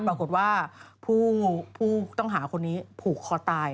ปรากฏว่าผู้ต้องหาคนนี้ผูกคอตาย